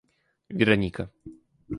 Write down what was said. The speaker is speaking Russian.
Вероника